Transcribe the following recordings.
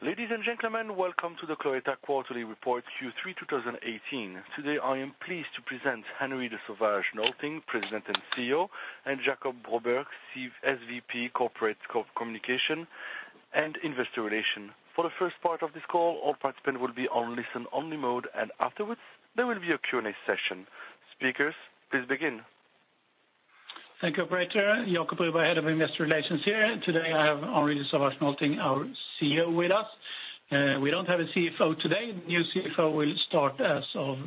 Ladies and Gentlemen, Welcome to the Cloetta Quarterly Report Q3 2018. Today I am pleased to present Henri de Sauvage Nolting, President and CEO, and Jacob Broberg, SVP Corporate Communications and Investor Relations. For the first part of this call, all participants will be on listen-only mode, and afterwards there will be a Q&A session. Speakers, please begin. Thank you, Peter. Jacob Broberg, Head of Investor Relations, here. Today I have Henri de Sauvage Nolting, our CEO, with us. We don't have a CFO today. The new CFO will start as of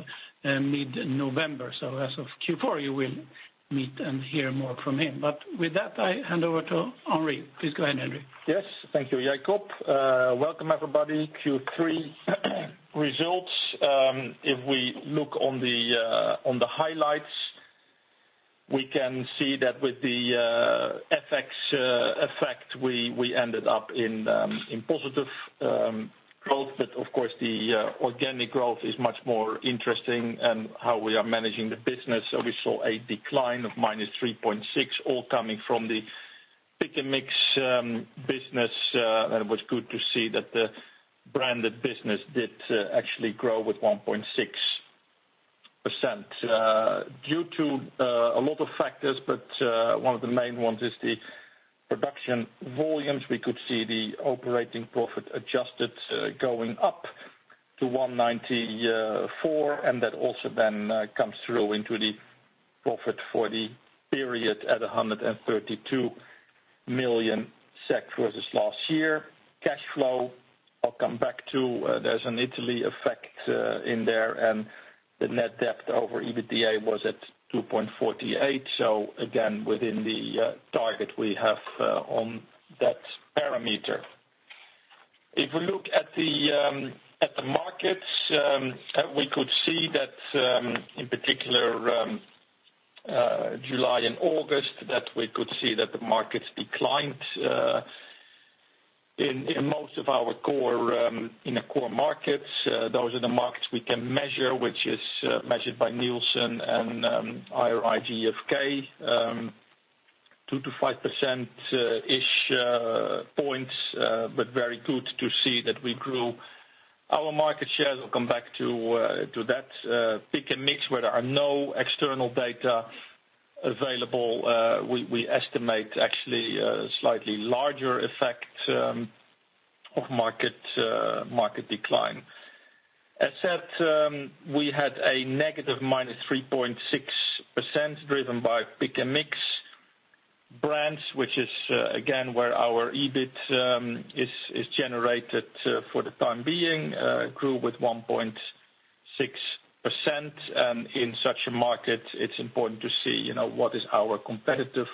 mid-November, so as of Q4 you will meet and hear more from him. But with that, I hand over to Henri. Please go ahead, Henri. Yes, thank you, Jacob. Welcome everybody. Q3 results, if we look on the highlights, we can see that with the FX effect we ended up in positive growth. But of course the organic growth is much more interesting and how we are managing the business. So we saw a decline of -3.6%, all coming from the pick-and-mix business, and it was good to see that the branded business did actually grow with 1.6% due to a lot of factors, but one of the main ones is the production volumes. We could see the operating profit adjusted going up to 190.4 million, and that also comes through into the profit for the period at 132 million SEK versus last year. Cash flow, I'll come back to, there's an Italy effect in there and the net debt over EBITDA was at 2.48. So again, within the target we have on that parameter. If we look at the markets, we could see that, in particular, July and August, the markets declined in most of our core markets. Those are the markets we can measure, which is measured by Nielsen and IRI/GfK, 2-5 percentage points ish, but very good to see that we grew our market share. I'll come back to that. Pick-and-mix, where there are no external data available, we estimate actually slightly larger effect of market decline. Assortment, we had a negative -3.6% driven by pick-and-mix brands, which is again where our EBIT is generated for the time being, grew with 1.6%. And in such a market, it's important to see, you know, what is our competitive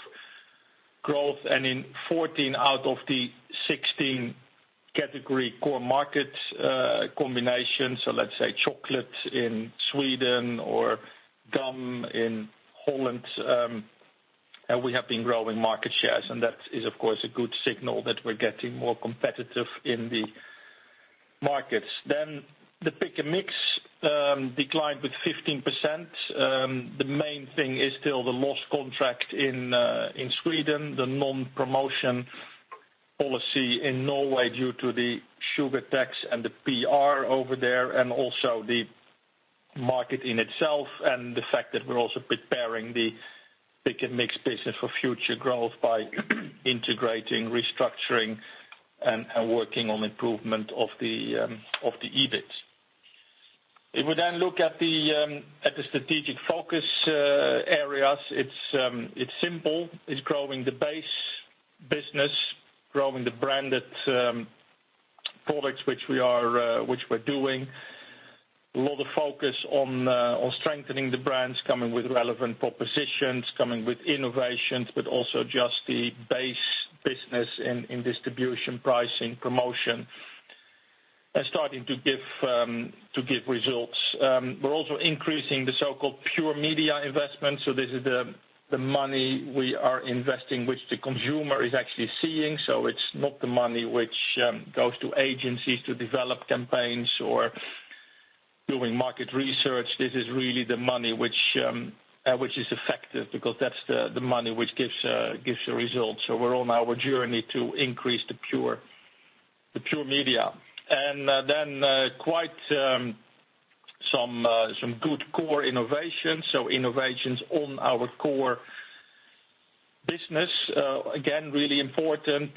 growth. And in 14 out of the 16 category core markets, combinations, so let's say chocolate in Sweden or gum in Holland, we have been growing market shares. And that is, of course, a good signal that we're getting more competitive in the markets. Then the pick-and-mix declined with 15%. The main thing is still the lost contract in Sweden, the non-promotion policy in Norway due to the sugar tax and the PR over there, and also the market in itself, and the fact that we're also preparing the pick-and-mix business for future growth by integrating, restructuring, and working on improvement of the EBITs. If we then look at the strategic focus areas, it's simple. It's growing the base business, growing the branded products which we're doing. A lot of focus on strengthening the brands, coming with relevant propositions, coming with innovations, but also just the base business in distribution, pricing, promotion, and starting to give results. We're also increasing the so-called pure media investments. So this is the money we are investing which the consumer is actually seeing. So it's not the money which goes to agencies to develop campaigns or doing market research. This is really the money which is effective because that's the money which gives the results. So we're on our journey to increase the pure media. And then, quite some good core innovations. So innovations on our core business, again, really important,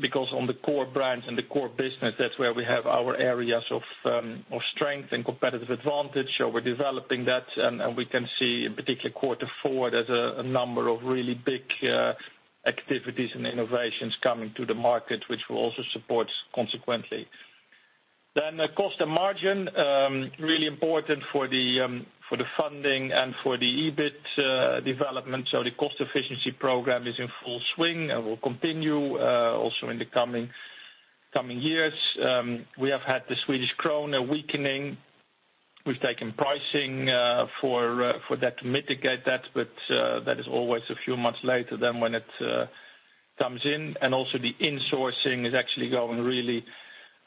because on the core brands and the core business, that's where we have our areas of strength and competitive advantage. So we're developing that, and and we can see in particular quarter four, there's a number of really big activities and innovations coming to the market which will also support consequently. Then the cost and margin really important for the funding and for the EBIT development. So the cost efficiency program is in full swing and will continue, also in the coming years. We have had the Swedish krona weakening. We've taken pricing for that to mitigate that, but that is always a few months later than when it comes in. And also the insourcing is actually going really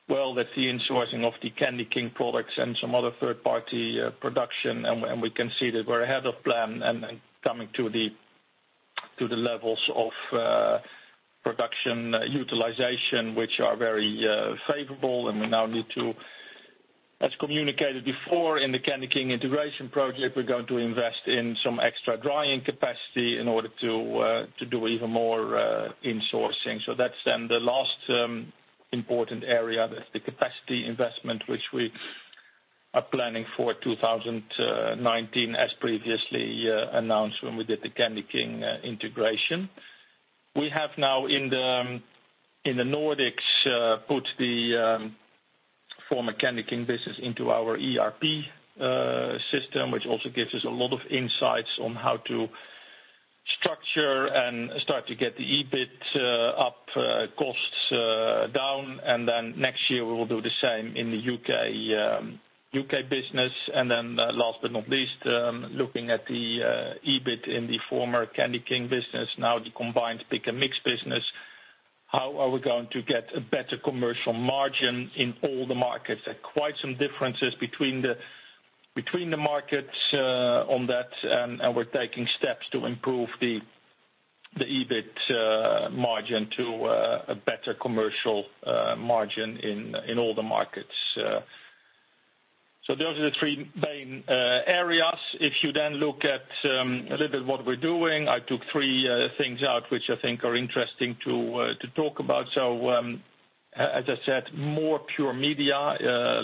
well. That's the insourcing of the CandyKing products and some other third-party production. And we can see that we're ahead of plan and coming to the levels of production utilization which are very favorable. And we now need to, as communicated before in the CandyKing integration project, we're going to invest in some extra drying capacity in order to, to do even more insourcing. So that's then the last important area. That's the capacity investment which we are planning for 2019 as previously announced when we did the CandyKing integration. We have now in the Nordics put the former CandyKing business into our ERP system which also gives us a lot of insights on how to structure and start to get the EBIT up, costs down. And then next year we will do the same in the U.K. business. And then, last but not least, looking at the EBIT in the former CandyKing business, now the combined pick-and-mix business, how are we going to get a better commercial margin in all the markets. There are quite some differences between the markets on that, and we're taking steps to improve the EBIT margin to a better commercial margin in all the markets. So those are the three main areas. If you then look at a little bit what we're doing, I took three things out which I think are interesting to talk about. So, as I said, more pure media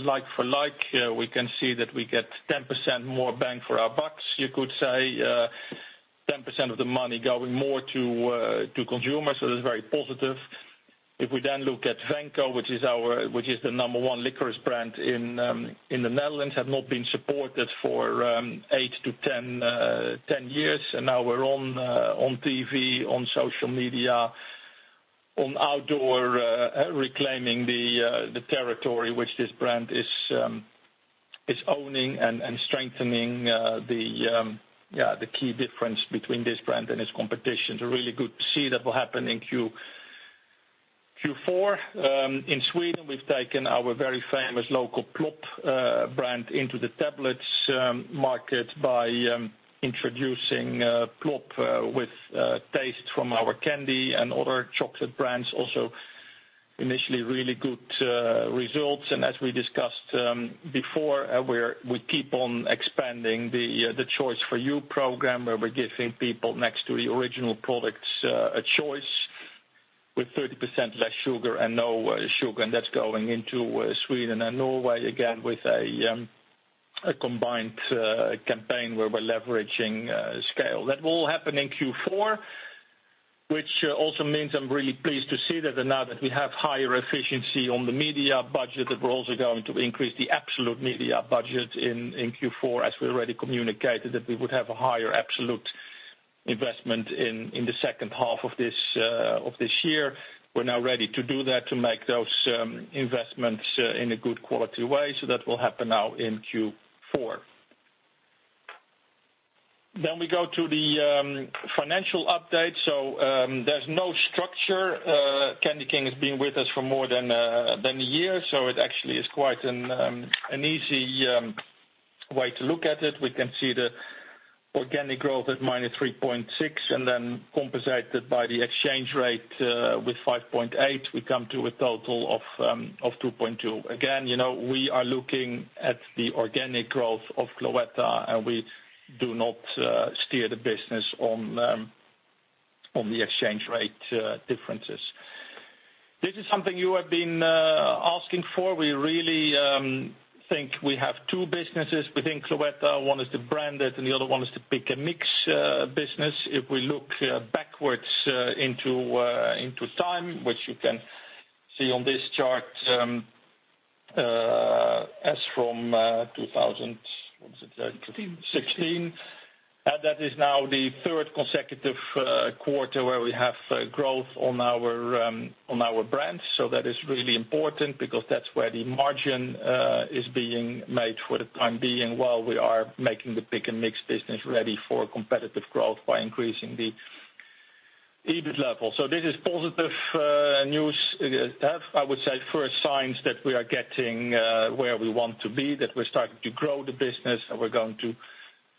like-for-like. We can see that we get 10% more bang for our bucks, you could say. 10% of the money going more to consumers. So that's very positive. If we then look at Venco, which is our number one licorice brand in the Netherlands, had not been supported for eight to 10 years. And now we're on TV, on social media, on outdoor, reclaiming the territory which this brand is owning and strengthening, yeah, the key difference between this brand and its competition. So really good to see that will happen in Q4. In Sweden we've taken our very famous local Plopp brand into the tablet market by introducing Plopp with taste from our candy and other chocolate brands. Also, initially really good results. And as we discussed before, we keep on expanding the Choice for You program where we're giving people next to the original products a choice with 30% less sugar and no sugar. And that's going into Sweden and Norway again with a combined campaign where we're leveraging scale. That will all happen in Q4, which also means I'm really pleased to see that now that we have higher efficiency on the media budget, that we're also going to increase the absolute media budget in Q4 as we already communicated that we would have a higher absolute investment in the second half of this year. We're now ready to do that to make those investments in a good quality way. So that will happen now in Q4. Then we go to the financial update. So, there's no structure. CandyKing has been with us for more than a year. So it actually is quite an easy way to look at it. We can see the organic growth at -3.6 and then compensated by the exchange rate with 5.8. We come to a total of 2.2. Again, you know, we are looking at the organic growth of Cloetta and we do not steer the business on the exchange rate differences. This is something you have been asking for. We really think we have two businesses within Cloetta. One is the branded and the other one is the pick-and-mix business. If we look backwards into time, which you can see on this chart, from 2016. And that is now the third consecutive quarter where we have growth on our brands. So that is really important because that's where the margin is being made for the time being while we are making the pick-and-mix business ready for competitive growth by increasing the EBIT level. So this is positive news. I would say first signs that we are getting where we want to be, that we're starting to grow the business and we're going to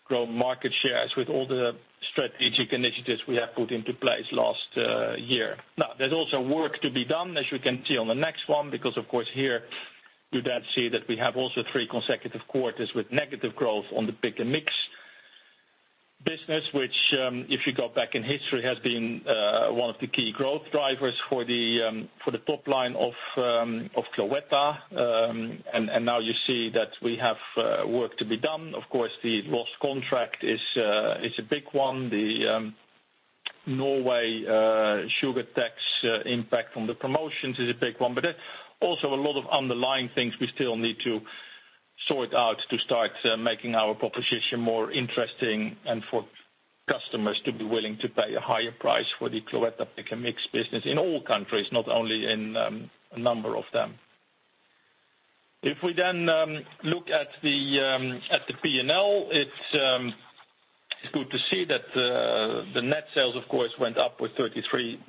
grow market shares with all the strategic initiatives we have put into place last year. Now, there's also work to be done as you can see on the next one because of course here you then see that we have also three consecutive quarters with negative growth on the pick-and-mix business which, if you go back in history, has been one of the key growth drivers for the top line of Cloetta. And now you see that we have work to be done. Of course, the lost contract is a big one. The Norway sugar tax impact on the promotions is a big one. But there's also a lot of underlying things we still need to sort out to start making our proposition more interesting and for customers to be willing to pay a higher price for the Cloetta pick-and-mix business in all countries, not only in a number of them. If we then look at the P&L, it's good to see that the net sales of course went up with 33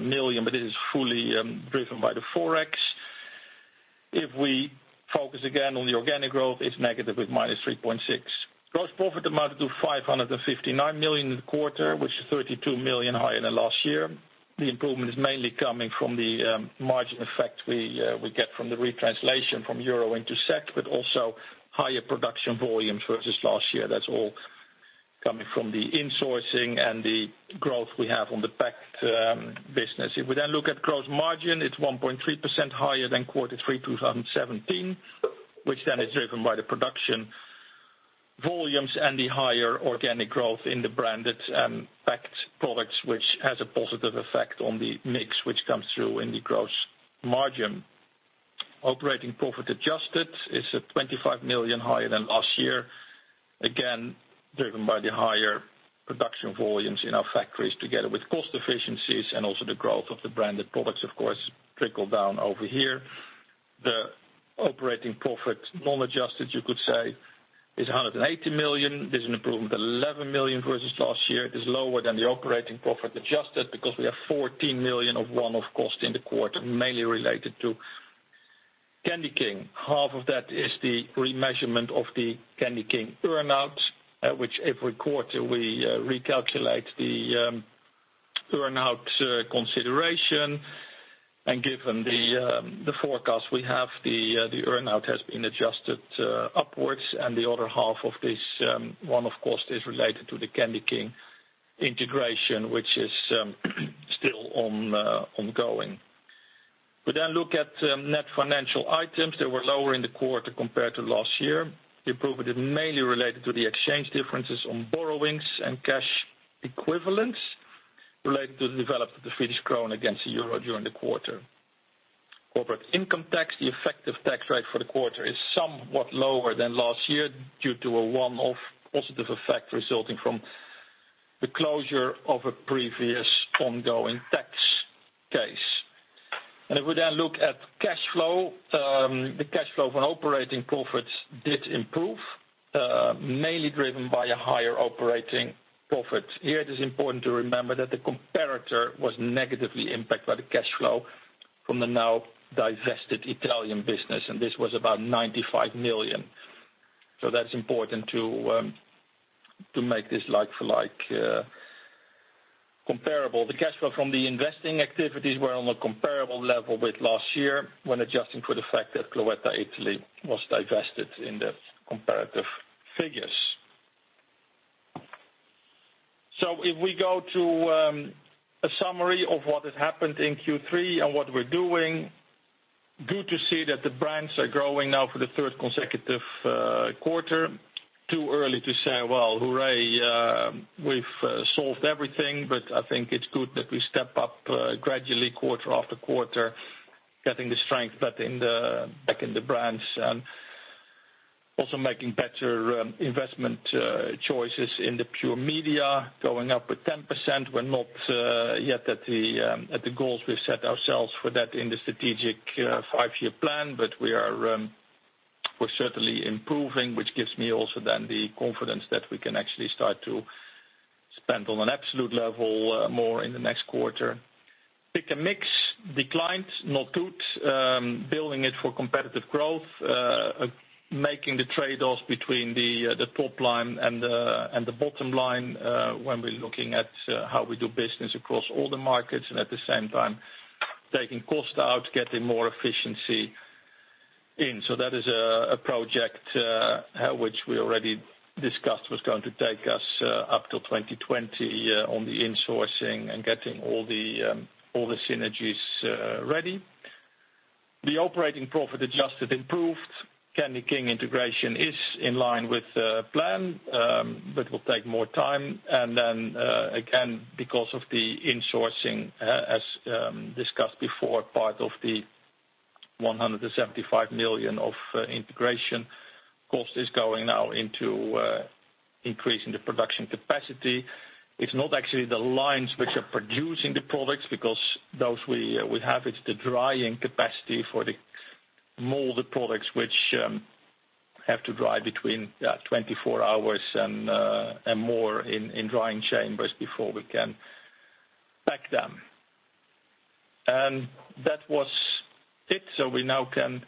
million, but this is fully driven by the Forex. If we focus again on the organic growth, it's negative with -3.6. Gross profit amounted to 559 million in the quarter, which is 32 million higher than last year. The improvement is mainly coming from the margin effect we get from the retranslation from euro into SEK, but also higher production volumes versus last year. That's all coming from the insourcing and the growth we have on the packed business. If we then look at gross margin, it's 1.3% higher than quarter three 2017, which then is driven by the production volumes and the higher organic growth in the branded and packed products which has a positive effect on the mix which comes through in the gross margin. Operating profit adjusted is 25 million higher than last year. Again, driven by the higher production volumes in our factories together with cost efficiencies and also the growth of the branded products, of course, trickle down over here. The operating profit non-adjusted, you could say, is 180 million. There's an improvement of 11 million versus last year. It is lower than the operating profit adjusted because we have 14 million of one-off cost in the quarter mainly related to Candy King. Half of that is the remeasurement of the Candy King earnout, which every quarter we recalculate the earnout consideration. Given the forecast we have, the earnout has been adjusted upwards. The other half of this one-off cost is related to the Candy King integration, which is still ongoing. We then look at net financial items. They were lower in the quarter compared to last year. The improvement is mainly related to the exchange differences on borrowings and cash equivalents related to the development of the Swedish krona against the euro during the quarter. Corporate income tax, the effective tax rate for the quarter is somewhat lower than last year due to a one-off positive effect resulting from the closure of a previous ongoing tax case. If we then look at cash flow, the cash flow from operating profits did improve, mainly driven by a higher operating profit. Here it is important to remember that the comparator was negatively impacted by the cash flow from the now divested Italian business. And this was about 95 million. So that's important to make this like for like, comparable. The cash flow from the investing activities were on a comparable level with last year when adjusting for the fact that Cloetta Italy was divested in the comparative figures. So if we go to a summary of what has happened in Q3 and what we're doing, good to see that the brands are growing now for the third consecutive quarter too early to say, "Well, hooray, we've solved everything." But I think it's good that we step up, gradually quarter after quarter getting the strength back in the brands and also making better investment choices in the pure media. Going up with 10%. We're not yet at the goals we've set ourselves for that in the strategic five-year plan. But we are, we're certainly improving which gives me also then the confidence that we can actually start to spend on an absolute level more in the next quarter. Pick-and-mix declined, not good. Building it for competitive growth, making the trade-offs between the top line and the bottom line, when we're looking at how we do business across all the markets and at the same time taking cost out, getting more efficiency in. So that is a project, which we already discussed was going to take us up till 2020, on the insourcing and getting all the synergies ready. The operating profit adjusted improved. Candy King integration is in line with the plan, but will take more time. And then, again, because of the insourcing, as discussed before, part of the 175 million of integration cost is going now into increasing the production capacity. It's not actually the lines which are producing the products because those we have; it's the drying capacity for the products which have to dry between 24 hours and more in drying chambers before we can pack them. And that was it. So we now can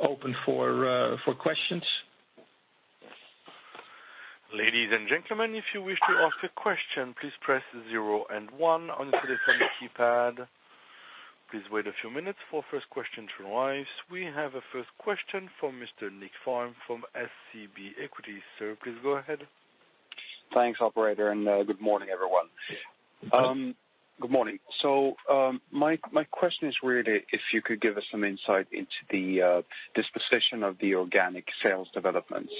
open for questions. Ladies and gentlemen, if you wish to ask a question, please press zero and one on the telephone keypad. Please wait a few minutes for first question to arise. We have a first question from Mr. Nicklas Fhärm from SEB Equities. Sir, please go ahead. Thanks, operator. And good morning, everyone. Good morning. So, my question is really if you could give us some insight into the disposition of the organic sales developments,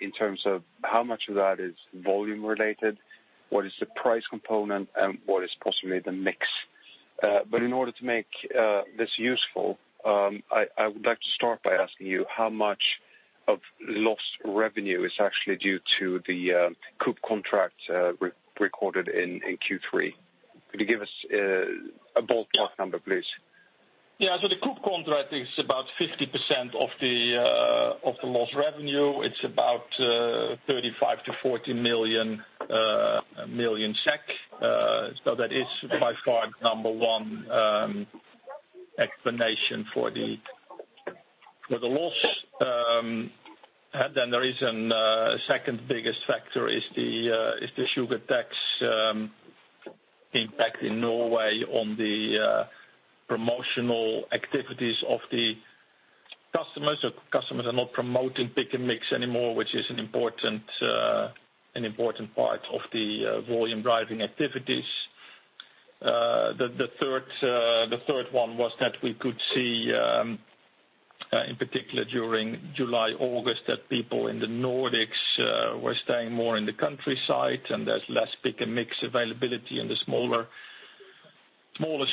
in terms of how much of that is volume related, what is the price component, and what is possibly the mix. But in order to make this useful, I would like to start by asking you how much of lost revenue is actually due to the Coop contract, re-recorded in Q3. Could you give us a ballpark number, please? Yeah. So the Coop contract is about 50% of the lost revenue. It's about 35 million-40 million. So that is by far the number one explanation for the loss. And then there is a second biggest factor, which is the sugar tax impact in Norway on the promotional activities of the customers. So customers are not promoting pick-and-mix anymore, which is an important part of the volume driving activities. The third one was that we could see, in particular during July, August, that people in the Nordics were staying more in the countryside and there's less pick-and-mix availability in the smaller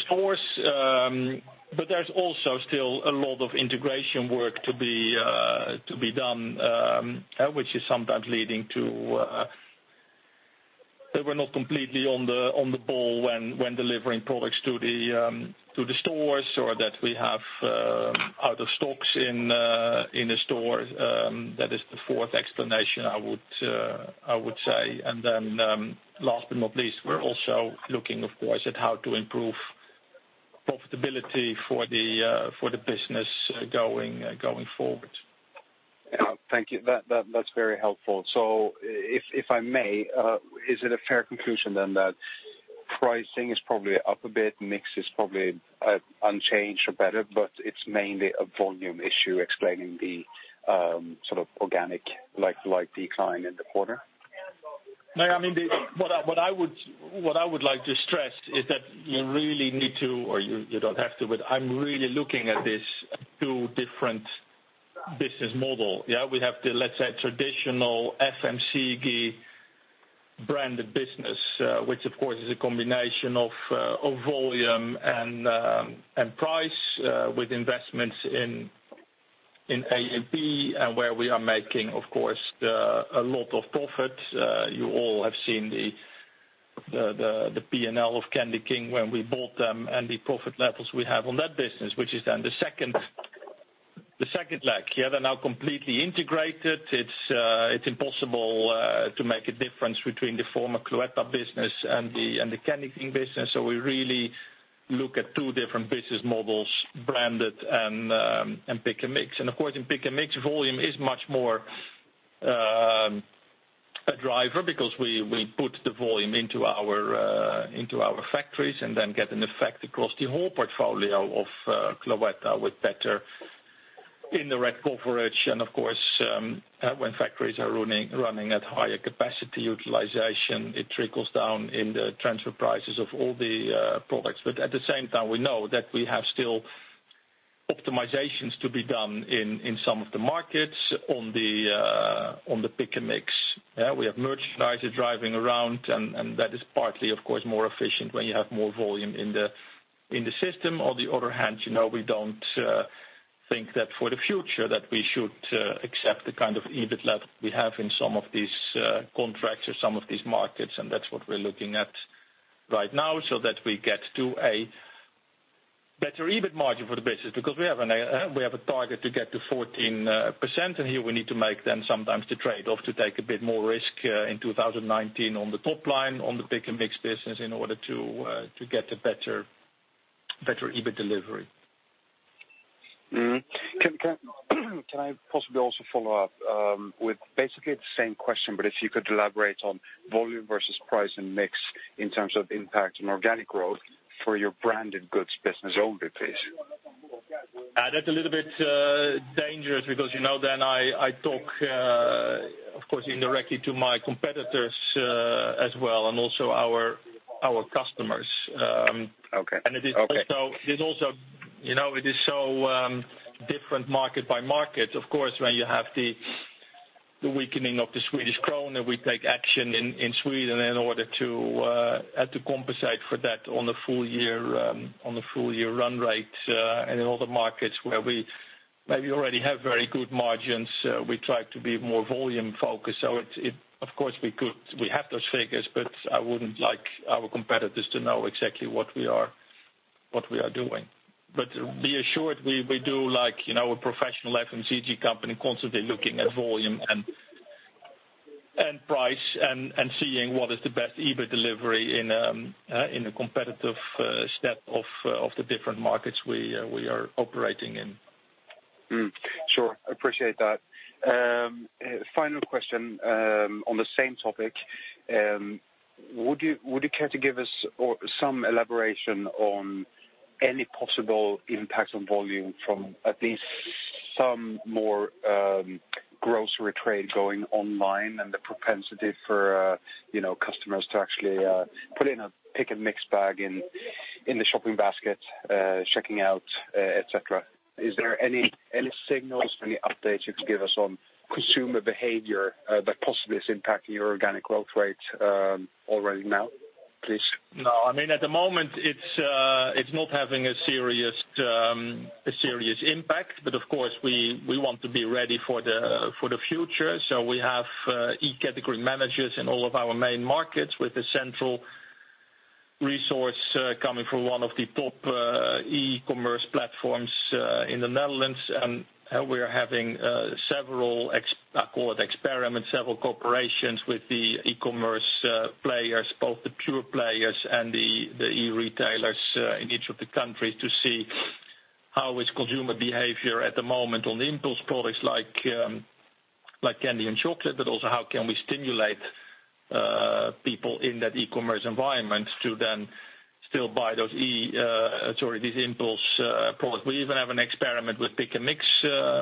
stores. But there's also still a lot of integration work to be done, which is sometimes leading to that we're not completely on the ball when delivering products to the stores or that we have out of stocks in a store. That is the fourth explanation I would, I would say. And then, last but not least, we're also looking, of course, at how to improve profitability for the, for the business, going, going forward. Yeah. Thank you. That, that's very helpful. So if I may, is it a fair conclusion then that pricing is probably up a bit, mix is probably, unchanged or better, but it's mainly a volume issue explaining the, sort of organic, like, like decline in the quarter? No. I mean, the what I, what I would, what I would like to stress is that you really need to or you, you don't have to, but I'm really looking at this two different business model. Yeah. We have the, let's say, traditional FMCG branded business, which of course is a combination of volume and price, with investments in A&P and where we are making, of course, a lot of profit. You all have seen the P&L of Candy King when we bought them and the profit levels we have on that business, which is then the second leg. Yeah. They're now completely integrated. It's impossible to make a difference between the former Cloetta business and the Candy King business. So we really look at two different business models, branded and pick-and-mix. And of course, in pick-and-mix, volume is much more a driver because we put the volume into our factories and then get an effect across the whole portfolio of Cloetta with better indirect coverage. And of course, when factories are running, running at higher capacity utilization, it trickles down in the transfer prices of all the products. But at the same time, we know that we have still optimizations to be done in in some of the markets on the on the pick-and-mix. Yeah. We have merchandise driving around and and that is partly, of course, more efficient when you have more volume in the in the system. On the other hand, you know, we don't think that for the future that we should accept the kind of EBIT level we have in some of these contracts or some of these markets. And that's what we're looking at right now so that we get to a better EBIT margin for the business because we have an we have a target to get to 14%. Here we need to make then sometimes the trade-off to take a bit more risk, in 2019 on the top line on the pick-and-mix business in order to, to get a better, better EBIT delivery. Can I possibly also follow up, with basically the same question, but if you could elaborate on volume versus price and mix in terms of impact on organic growth for your branded goods business only, please? That's a little bit dangerous because, you know, then I talk, of course, indirectly to my competitors, as well and also our, our customers. It is also, you know, it is so different market by market. Of course, when you have the weakening of the Swedish krona and we take action in Sweden in order to had to compensate for that on the full year run rate, and in other markets where we maybe already have very good margins, we try to be more volume focused. So it of course we could have those figures, but I wouldn't like our competitors to know exactly what we are doing. But be assured we do like, you know, a professional FMCG company constantly looking at volume and price and seeing what is the best EBIT delivery in a competitive set of the different markets we are operating in. Sure. Appreciate that. Final question, on the same topic. Would you care to give us some elaboration on any possible impact on volume from at least some more grocery trade going online and the propensity for, you know, customers to actually put in a pick-and-mix bag in the shopping basket, checking out, etc.? Is there any signals or any updates you could give us on consumer behavior that possibly is impacting your organic growth rate already now, please? No. I mean, at the moment, it's not having a serious impact. But of course, we want to be ready for the future. So we have e-category managers in all of our main markets with a central resource coming from one of the top e-commerce platforms in the Netherlands. We are having several, I call it, experiments, several corporations with the e-commerce players, both the pure players and the e-retailers, in each of the countries to see how is consumer behavior at the moment on the impulse products like candy and chocolate, but also how can we stimulate people in that e-commerce environment to then still buy those, sorry, these impulse products. We even have an experiment with pick-and-mix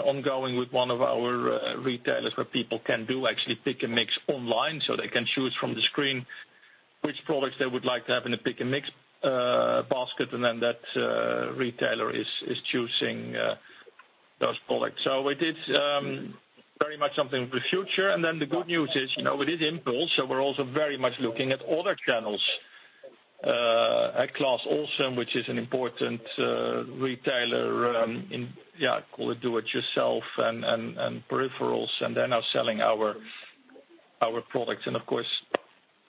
ongoing with one of our retailers where people can do actually pick-and-mix online so they can choose from the screen which products they would like to have in the pick-and-mix basket. And then that retailer is choosing those products. So it is very much something of the future. And then the good news is, you know, it is impulse. So we're also very much looking at other channels, at Clas Ohlson which is an important retailer in, yeah, call it do-it-yourself and peripherals. And they're now selling our products. And of course,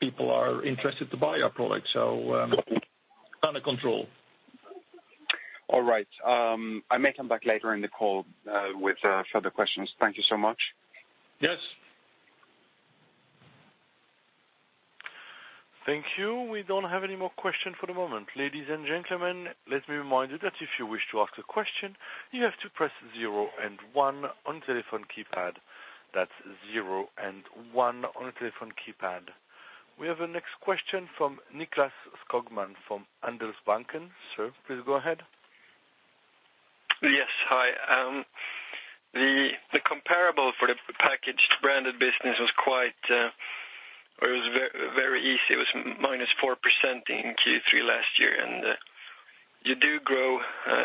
people are interested to buy our products. So, under control. All right. I may come back later in the call with further questions. Thank you so much. Yes. Thank you. We don't have any more questions for the moment. Ladies and gentlemen, let me remind you that if you wish to ask a question, you have to press zero and one on the telephone keypad. That's zero and one on the telephone keypad. We have a next question from Nicklas Skogman from Handelsbanken Capital Markets. Sir, please go ahead. Yes. Hi. The comparable for the packaged branded business was quite, or it was very easy. It was -4% in Q3 last year. You do grow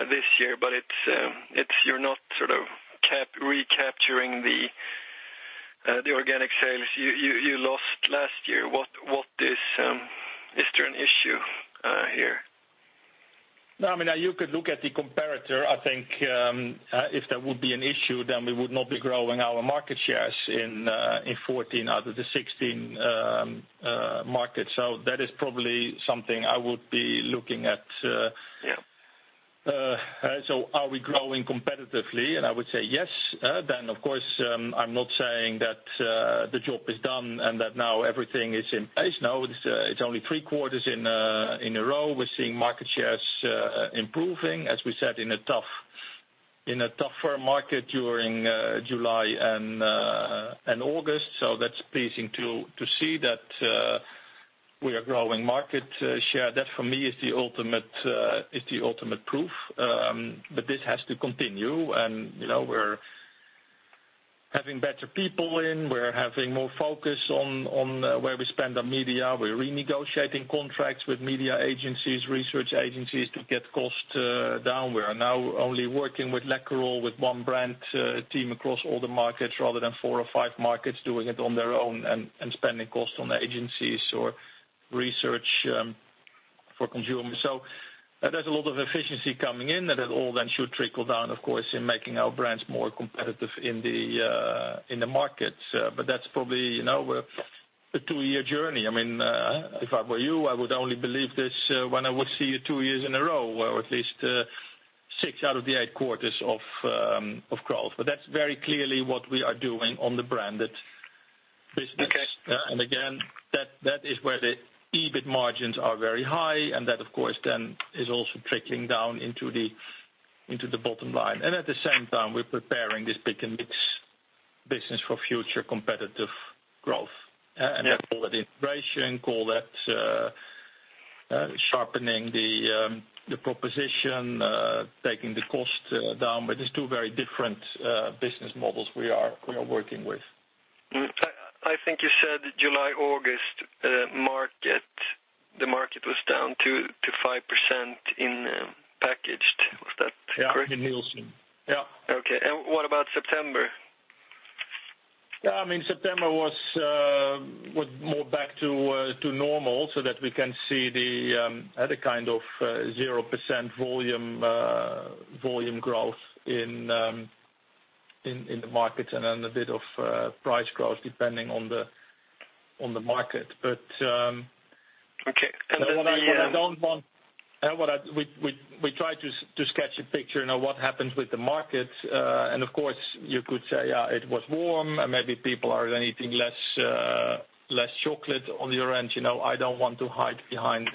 this year, but it's you're not sort of capturing the organic sales you lost last year. What is there an issue here? No. I mean, now you could look at the comparator. I think, if there would be an issue, then we would not be growing our market shares in 14 out of the 16 markets. So that is probably something I would be looking at, so are we growing competitively? And I would say yes. Then of course, I'm not saying that the job is done and that now everything is in place. No. It's only three quarters in a row we're seeing market shares improving, as we said, in a tougher market during July and August. So that's pleasing to see that we are growing market share. That for me is the ultimate, is the ultimate proof. But this has to continue. And, you know, we're having better people in. We're having more focus on where we spend our media. We're renegotiating contracts with media agencies, research agencies to get costs down. We are now only working with Läkerol with one brand team across all the markets rather than four or five markets doing it on their own and spending costs on agencies or research for consumers. So there's a lot of efficiency coming in that it all then should trickle down, of course, in making our brands more competitive in the markets. But that's probably, you know, we're a two-year journey. I mean, if I were you, I would only believe this when I would see you two years in a row or at least six out of the eight quarters of Cloetta. But that's very clearly what we are doing on the branded business. Yeah. And again, that, that is where the EBIT margins are very high. And that, of course, then is also trickling down into the bottom line. And at the same time, we're preparing this pick-and-mix business for future competitive growth. And I call that integration. Call that sharpening the proposition, taking the cost down. But it's two very different business models we are working with. I think you said July, August, market the market was down to 5% in packaged. Was that correct? Yeah. In Nielsen. Yeah. Okay. And what about September? Yeah. I mean, September was more back to normal so that we can see we had a kind of 0% volume growth in the markets and then a bit of price growth depending on the market. But And what I don't want. What we try to sketch a picture. You know, what happens with the markets? And of course, you could say, "Yeah. It was warm." And maybe people are then eating less chocolate on your end. You know, I don't want to hide behind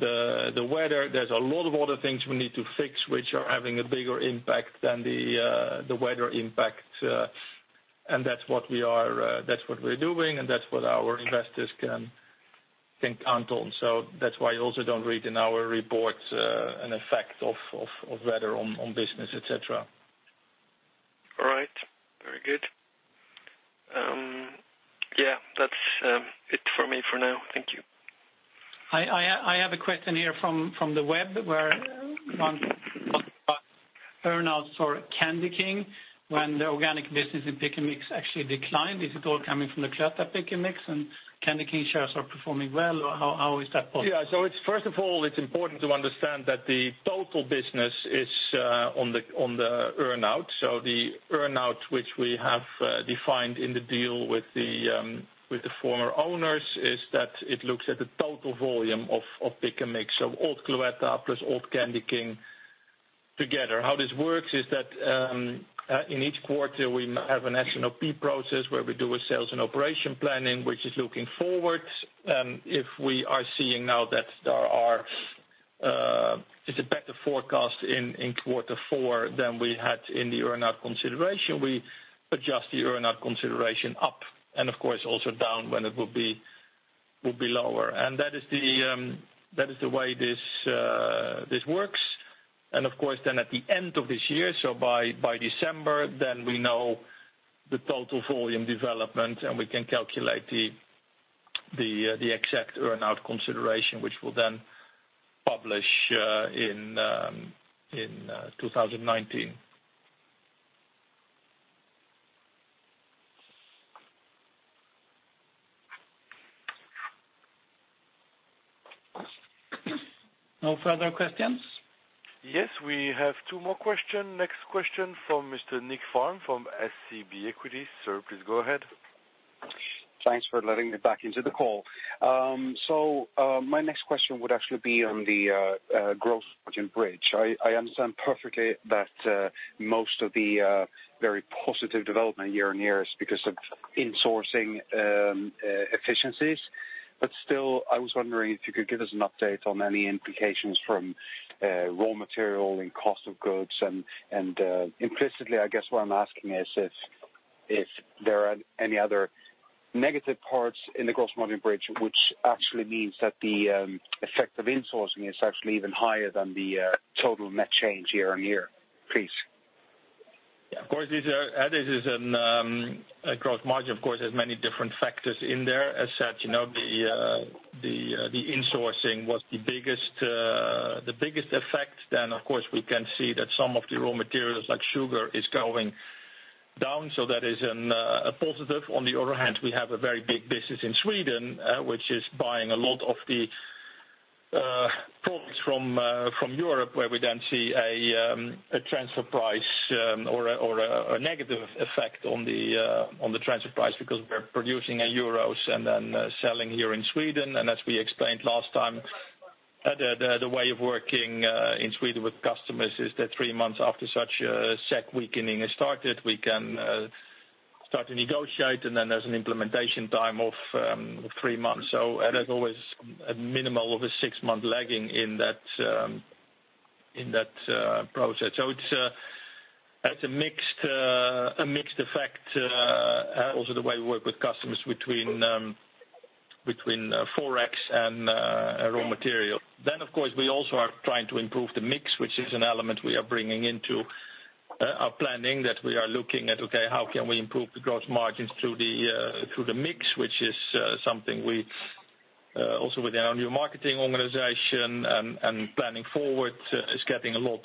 the weather. There's a lot of other things we need to fix which are having a bigger impact than the weather impact. And that's what we are, that's what we're doing. And that's what our investors can count on. So that's why you also don't read in our reports, an effect of weather on business, etc. All right. Very good. yeah. That's it for me for now. Thank you. I have a question here from the web where one talks about earnouts for Candy King. When the organic business in pick-and-mix actually declined, is it all coming from the Cloetta pick-and-mix and Candy King shares are performing well? Or how is that possible? Yeah. So it's first of all, it's important to understand that the total business is on the earnout. So the earnout which we have defined in the deal with the former owners is that it looks at the total volume of pick-and-mix. So old Cloetta plus old Candy King together. How this works is that, in each quarter, we have an S&OP process where we do a sales and operation planning which is looking forward. If we are seeing now that there is a better forecast in quarter four than we had in the earnout consideration, we adjust the earnout consideration up and of course also down when it will be lower. That is the way this works. Of course, then at the end of this year, so by December, then we know the total volume development and we can calculate the exact earnout consideration which we'll then publish in 2019. No further questions? Yes. We have two more questions. Next question from Mr. Nicklas Fhärm from SEB Equities. Sir, please go ahead. Thanks for letting me back into the call. So, my next question would actually be on the gross margin bridge. I understand perfectly that most of the very positive development year-on-year is because of insourcing efficiencies. But still, I was wondering if you could give us an update on any implications from raw material and cost of goods. And implicitly, I guess what I'm asking is if there are any other negative parts in the gross margin bridge which actually means that the effect of insourcing is actually even higher than the total net change year-on-year. Please. Yeah. Of course, this is a gross margin. Of course, there's many different factors in there. As said, you know, the insourcing was the biggest effect. Then, of course, we can see that some of the raw materials like sugar is going down. So that is a positive. On the other hand, we have a very big business in Sweden, which is buying a lot of the products from Europe where we then see a transfer price, or a negative effect on the transfer price because we're producing in euros and then selling here in Sweden. And as we explained last time, the way of working in Sweden with customers is that three months after such SEK weakening has started, we can start to negotiate. And then there's an implementation time of three months. So there's always a minimum of a six-month lag in that process. So it's a mixed effect, also the way we work with customers between Forex and raw material. Then, of course, we also are trying to improve the mix, which is an element we are bringing into our planning that we are looking at. "Okay. How can we improve the gross margins through the, through the mix?" which is something we also within our new marketing organization and planning forward is getting a lot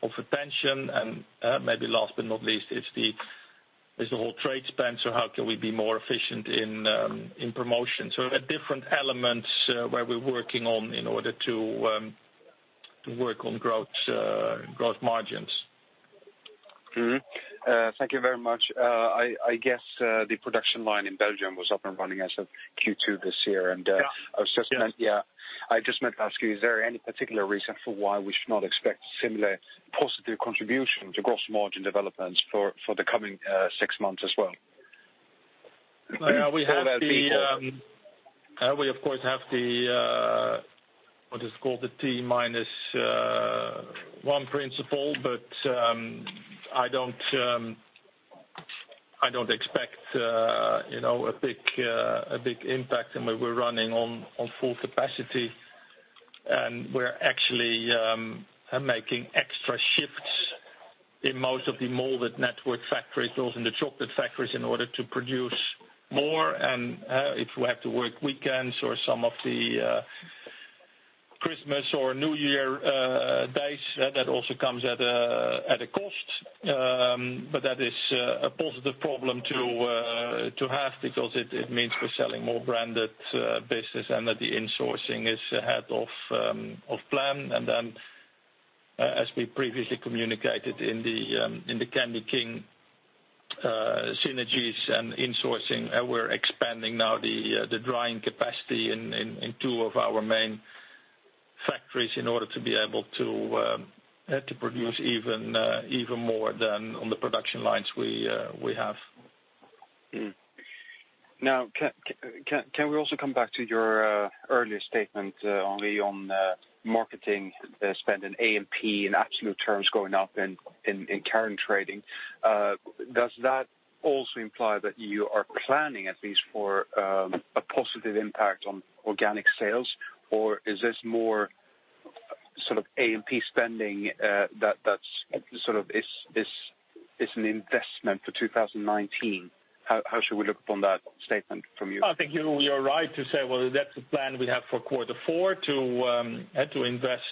of attention. And, maybe last but not least, it's the whole trade spend. So how can we be more efficient in promotion? So there are different elements where we're working on in order to work on growth margins. Thank you very much. I guess the production line in Belgium was up and running as of Q2 this year. And I was just meant. I just meant to ask you, is there any particular reason for why we should not expect similar positive contribution to gross margin developments for the coming six months as well? Well, yeah. We, of course, have the, what is it called? The T minus one principle. But I don't expect, you know, a big impact. I mean, we're running on full capacity. And we're actually making extra shifts in most of the molded network factories, also in the chocolate factories, in order to produce more. And if we have to work weekends or some of the Christmas or New Year days, that also comes at a cost. But that is a positive problem to have because it means we're selling more branded business and that the insourcing is ahead of plan. Then, as we previously communicated in the Candy King synergies and insourcing, we're expanding now the drying capacity in two of our main factories in order to be able to produce even more than on the production lines we have. Now, can we also come back to your earlier statement, only on marketing spend and A&P in absolute terms going up in current trading? Does that also imply that you are planning at least for a positive impact on organic sales? Or is this more sort of A&P spending, that's sort of an investment for 2019? How should we look upon that statement from you? Thank you. Oh, You're right to say, "Well, that's the plan we have for quarter four, yeah, to invest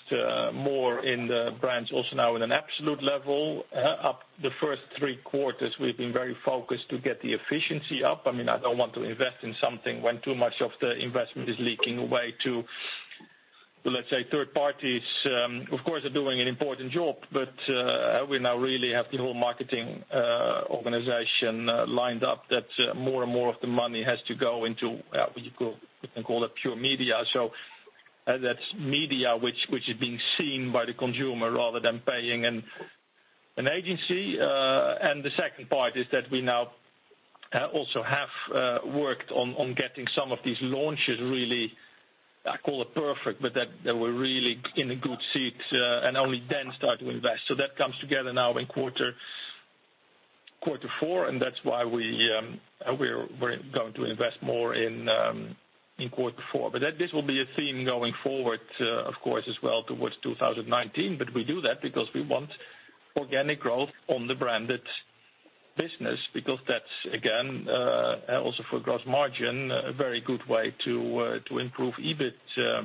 more in the brands also now in an absolute level up the first three quarters." We've been very focused to get the efficiency up. I mean, I don't want to invest in something when too much of the investment is leaking away to, let's say, third parties, of course, are doing an important job. But we now really have the whole marketing organization lined up that more and more of the money has to go into, yeah, what you could we can call it pure media. So that's media which is being seen by the consumer rather than paying an agency. The second part is that we now also have worked on getting some of these launches really. I call it perfect, but that we're really in a good seat, and only then start to invest. So that comes together now in quarter four. And that's why we're going to invest more in quarter four. But this will be a theme going forward, of course, as well towards 2019. But we do that because we want organic growth on the branded business because that's, again, also for gross margin, a very good way to improve EBIT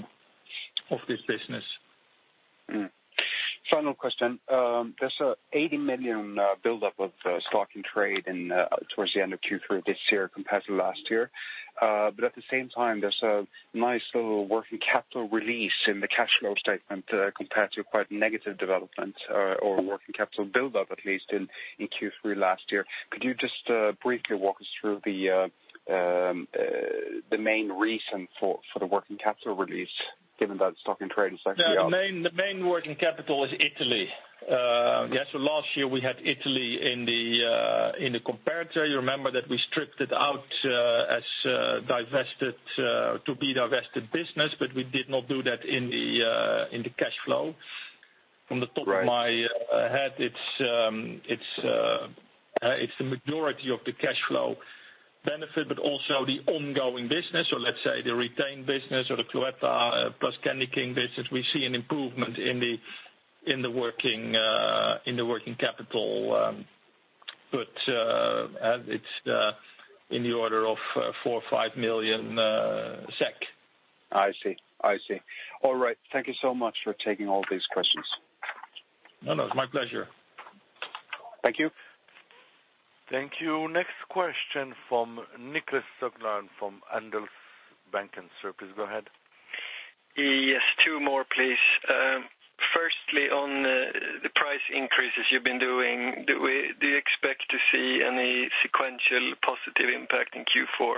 of this business. Final question. There's an 80 million buildup of stock in trade towards the end of Q3 this year compared to last year. But at the same time, there's a nice little working capital release in the cash flow statement, compared to quite a negative development, or working capital buildup at least in Q3 last year. Could you just briefly walk us through the main reason for the working capital release given that stock in trade is actually up? Yeah. The main working capital is Italy. Yeah. So last year, we had Italy in the comparator. You remember that we stripped it out, as divested, to be divested business. But we did not do that in the cash flow. From the top of my head, it's yeah. It's the majority of the cash flow benefit but also the ongoing business. So let's say the retained business or the Cloetta plus Candy King business, we see an improvement in the working capital. But yeah. It's in the order of 4 million or 5 million SEK. I see. All right. Thank you so much for taking all these questions. No, no. It's my pleasure. Thank you. Thank you. Next question from Nicklas Skogman from Handelsbanken Capital Markets. Sir, please go ahead. Yes. Two more, please. Firstly, on the price increases you've been doing, do you expect to see any sequential positive impact in Q4?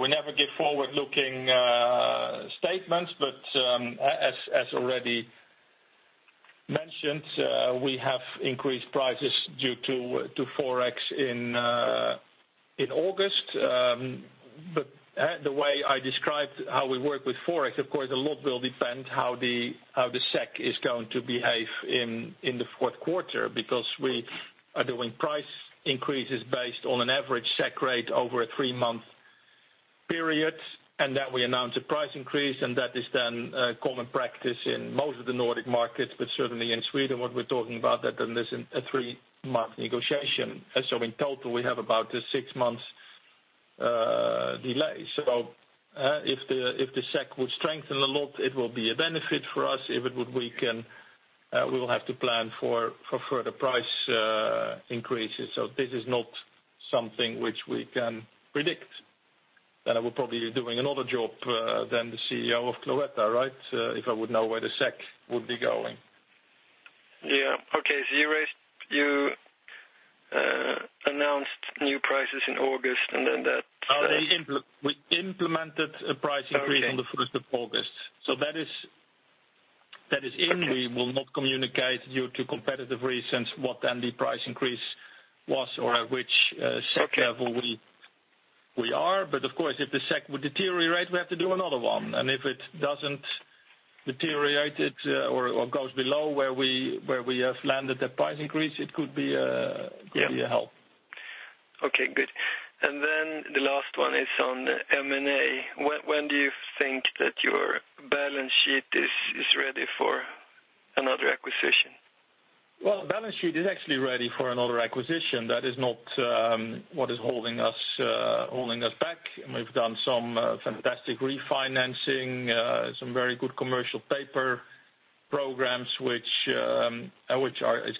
We never give forward-looking statements. But as already mentioned, we have increased prices due to Forex in August. But the way I described how we work with Forex, of course, a lot will depend how the SEK is going to behave in the fourth quarter because we are doing price increases based on an average SEK rate over a three-month period. And then we announce a price increase. And that is then common practice in most of the Nordic markets. But certainly, in Sweden, what we're talking about, that then isn't a three-month negotiation. So in total, we have about a six-month delay. So if the SEK would strengthen a lot, it will be a benefit for us. If it would weaken, we will have to plan for further price increases. So this is not something which we can predict. Then I will probably be doing another job other than the CEO of Cloetta, right, if I would know where the FX would be going. Yeah. Okay. So you raised, you announced new prices in August. And then that. Oh, we implemented a price increase on the 1st of August. So that is in. We will not communicate due to competitive reasons what the price increase was or at which FX level we are. But of course, if the FX would deteriorate, we have to do another one. And if it doesn't deteriorate, or goes below where we have landed that price increase, it could be a help. Yeah. Okay. Good. And then the last one is on the M&A. When do you think that your balance sheet is ready for another acquisition? Well, balance sheet is actually ready for another acquisition. That is not what is holding us back. And we've done some fantastic refinancing, some very good commercial paper programs which are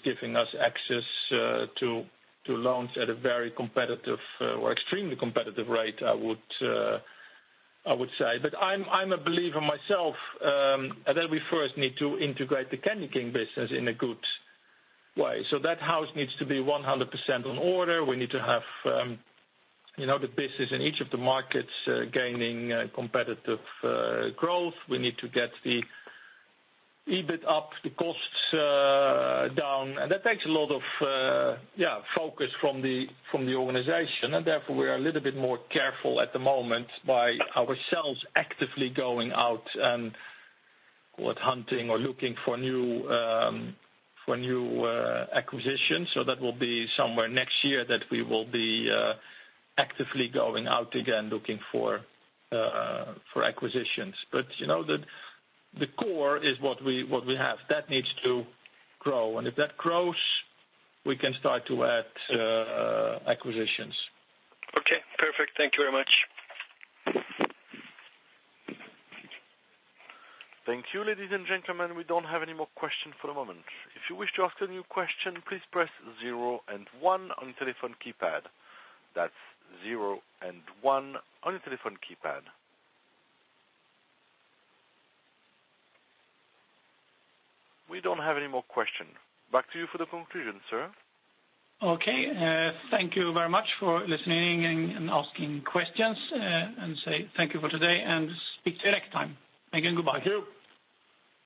giving us access to loans at a very competitive, or extremely competitive rate, I would say. But I'm a believer myself that we first need to integrate the Candy King business in a good way. So that house needs to be 100% on order. We need to have, you know, the business in each of the markets gaining competitive growth. We need to get the EBIT up, the costs down. And that takes a lot of yeah focus from the organization. And therefore, we are a little bit more careful at the moment by ourselves actively going out and call it hunting or looking for new acquisitions. So that will be somewhere next year that we will be actively going out again looking for acquisitions. But you know, the core is what we have. That needs to grow. And if that grows, we can start to add acquisitions. Okay. Perfect. Thank you very much. Thank you, ladies and gentlemen. We don't have any more questions for the moment. If you wish to ask a new question, please press zero and one on your telephone keypad. That's zero and one on your telephone keypad. We don't have any more questions. Back to you for the conclusion, sir. Okay. Thank you very much for listening and asking questions, and say thank you for today. And speak to you next time.